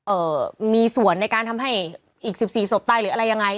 เอ่อมีส่วนในการทำให้อีกสิบสี่ศพตายหรืออะไรยังไง